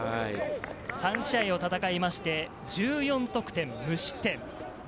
３試合を戦いまして、１４得点無失点。